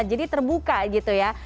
jadi terbuka gitu ya